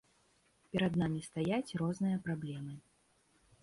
Перад намі стаяць розныя праблемы.